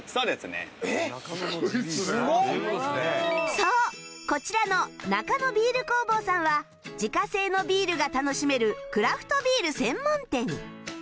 そうこちらの中野ビール工房さんは自家製のビールが楽しめるクラフトビール専門店